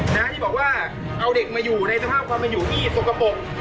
ที่บอกว่าเอาเด็กมาอยู่ในสภาพความเป็นอยู่ที่สกปรก